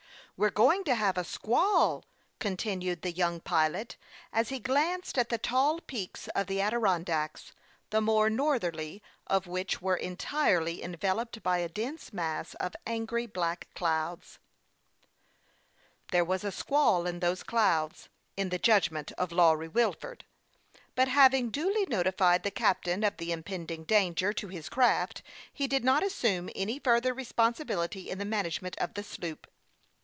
"We're going to have a squall," continued the young pilot, as he glanced at the tall peaks of the Adirondacks, the more northerly of which were entirely enveloped by a dense mass of angry black clouds. ( n > 12 HASTE AND WASTE, OR There was a squall in those clouds, in the judg ment of Lawry Wilford ; but having duly notified the captain of the impending danger to his craft, he did not assume any further responsibility in the management of the sloop.